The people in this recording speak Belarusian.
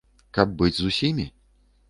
Каб быць з усімі?